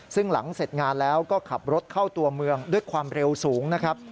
ซึ่งหลังเสร็จงานแล้วก็ขับรถเข้าตัวเมืองด้วยความเร็วสูงนะครับ